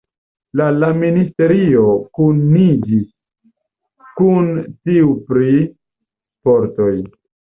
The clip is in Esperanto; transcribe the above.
La la ministerio kuniĝis kun tiu pri sportoj.